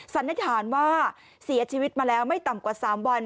สันนิษฐานว่าเสียชีวิตมาแล้วไม่ต่ำกว่า๓วัน